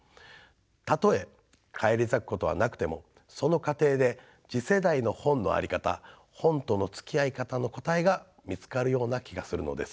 たとえ返り咲くことはなくてもその過程で次世代の本の在り方本とのつきあい方の答えが見つかるような気がするのです。